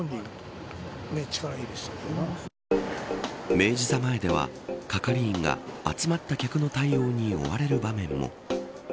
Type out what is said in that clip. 明治座前では係員が集まった客の対応に追われる場面も。